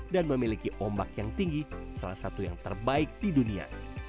dan memiliki ombak yang tinggi salah satu yang terbaik di dunia